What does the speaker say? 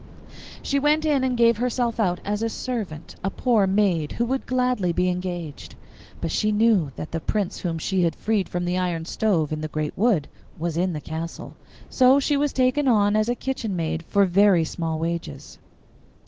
She went in and gave herself out as a servant, a poor maid who would gladly be engaged. But she knew that the Prince whom she had freed from the iron stove in the great wood was in the castle. So she was taken on as a kitchen maid for very small wages.